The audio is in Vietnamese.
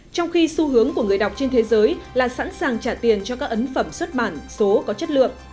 trong khi xu hướng của người đọc trên thế giới là sẵn sàng trả tiền cho các ấn phẩm xuất bản số có chất lượng